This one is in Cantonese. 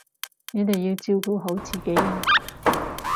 你哋要照顧好自己啊